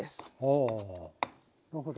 おなるほど。